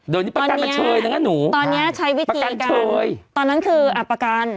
เดี๋ยวนี้ประกันมันเชยนะงั้นหนูตอนเนี้ยใช้วิธีการเชยตอนนั้นคืออ่ะประกัน